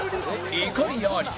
怒りあり